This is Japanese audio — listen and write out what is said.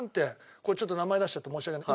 これちょっと名前出しちゃって申し訳ない。